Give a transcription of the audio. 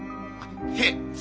へえ。